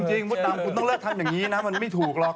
มดดำคุณต้องเลิกทำอย่างนี้นะมันไม่ถูกหรอก